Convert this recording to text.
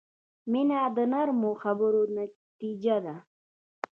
• مینه د نرمو خبرو نتیجه ده.